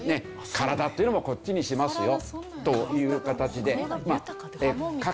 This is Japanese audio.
體というのもこっちにしますよという形で。